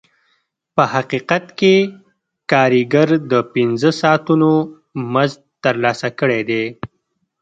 په حقیقت کې کارګر د پنځه ساعتونو مزد ترلاسه کړی دی